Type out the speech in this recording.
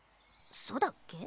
そうだっけ？